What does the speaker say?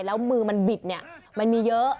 แล้วมือมันบิดเนี่ยมันมีเยอะ